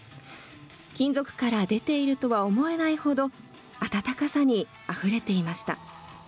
金属から出ているとは思えないほど、温かさにあふれていました。